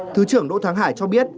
thứ trưởng đỗ thắng hải cho biết